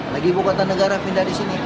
lagi ibu kota negara pindah di sini